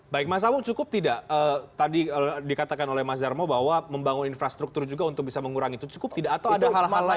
baik mas amung cukup tidak tadi dikatakan oleh mas darmo bahwa membangun infrastruktur juga untuk bisa mengurangi itu cukup tidak atau ada hal hal lain